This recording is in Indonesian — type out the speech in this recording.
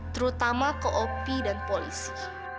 terutama ke op dan polisi